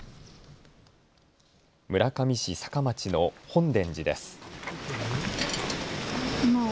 村上市坂町の本傳寺です。